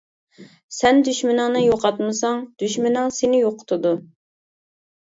-سەن دۈشمىنىڭنى يوقاتمىساڭ، دۈشمىنىڭ سېنى يوقىتىدۇ.